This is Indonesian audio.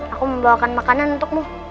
aku membawakan makanan untukmu